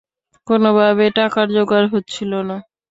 কোনোভাবে টাকার জোগাড় হচ্ছিল না।